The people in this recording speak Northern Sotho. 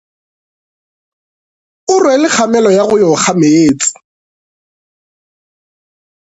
O rwele kgamelo ya go yo ga meetse.